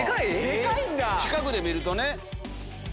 近くで見るとね。